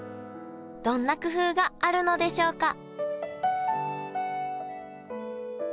どんな工夫があるのでしょうか？